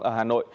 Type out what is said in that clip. ở hà nội